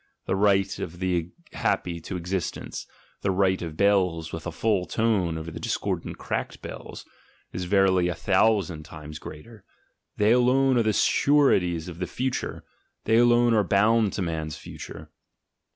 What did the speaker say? The right of the happy to existence, the right of bells with a full tone over the discordant cracked bells, is verily a thousand times greater: they alone are the sureties of the future, they alone are bound to man's future.